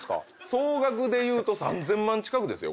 総額でいうと３，０００万近くですよ。